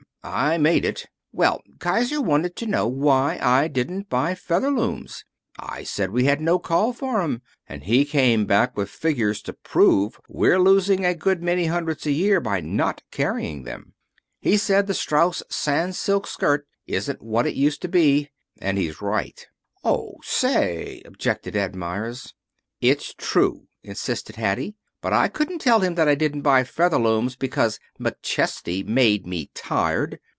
I made it. Well, Kiser wanted to know why I didn't buy Featherlooms. I said we had no call for 'em, and he came back with figures to prove we're losing a good many hundreds a year by not carrying them. He said the Strauss Sans silk skirt isn't what it used to be. And he's right." "Oh, say " objected Ed Meyers. "It's true," insisted Hattie. "But I couldn't tell him that I didn't buy Featherlooms because McChesney made me tired.